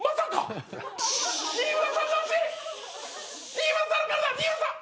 新村さんの体新村さん！